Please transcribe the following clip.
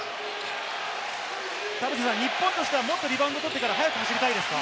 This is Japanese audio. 日本としてはもっとリバウンドを取ってから速く走りたいですか？